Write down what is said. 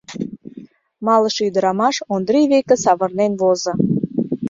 Малыше ӱдырамаш Ондрий веке савырнен возо.